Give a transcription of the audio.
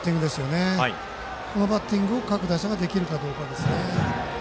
このバッティングを各打者ができるかどうかですね。